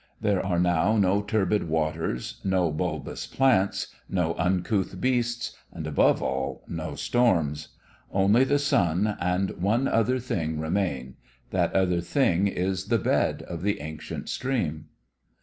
There are now no turbid waters, no bulbous plants, no uncouth beasts, and, above all, no storms. Only the sun and one other thing remain: that other thing is the bed of the ancient stream.